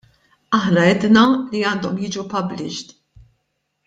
Aħna għedna li għandhom jiġu published.